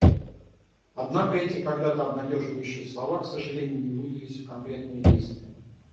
Однако эти когда-то обнадеживающие слова, к сожалению, не вылились в конкретные действия.